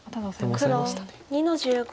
黒２の十五。